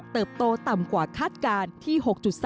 โตต่ำกว่าคาดการณ์ที่๖๓